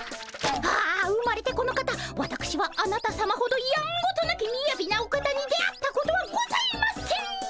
ああ生まれてこの方わたくしはあなたさまほどやんごとなきみやびなお方に出会ったことはございません！